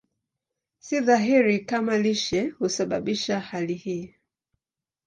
Si dhahiri kama lishe husababisha hali hii.